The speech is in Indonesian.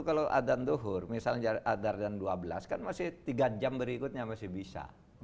kalau adan duhur misalnya adardan dua belas kan masih tiga jam berikutnya masih bisa